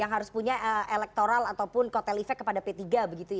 yang harus punya elektoral ataupun kotelifek kepada p tiga begitu ya